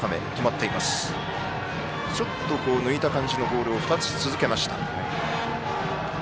ちょっと抜いた感じのボールを２つ続けた東恩納。